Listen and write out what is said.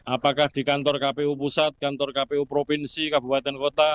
apakah di kantor kpu pusat kantor kpu provinsi kabupaten kota